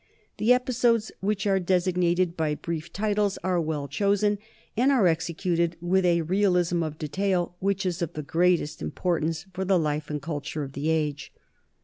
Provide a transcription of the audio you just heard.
The episodes, which are desig nated by brief titles, are well chosen and are executed with a realism of detail which is of the greatest impor tance for the life and culture of the age.